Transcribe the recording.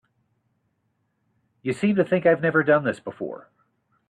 You seem to think I've never done this before.